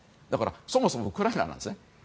だから、そもそもウクライナなんです。